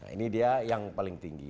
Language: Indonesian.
ini dia yang paling tinggi